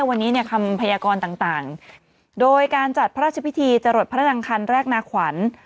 วันนี้เนี่ยคำพยากรต่างโดยการจัดพระราชพิธีจรดพระดังคันแรกนาขวัญ